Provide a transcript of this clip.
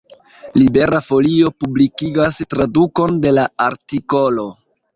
Libera Folio publikigas tradukon de la artikolo.